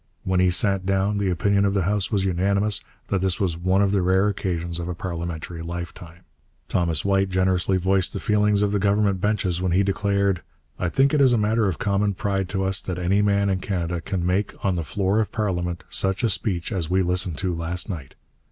When he sat down, the opinion of the House was unanimous that this was one of the rare occasions of a parliamentary lifetime. Thomas White generously voiced the feeling of the Government benches when he declared: 'I think it is a matter of common pride to us that any man in Canada can make, on the floor of parliament, such a speech as we listened to last night.'